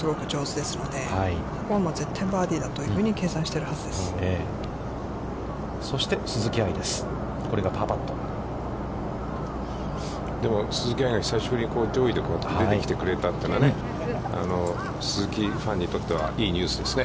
でも、鈴木愛が久しぶりに上位で出てきてくれたというのは、鈴木ファンにとってはいいニュースですね。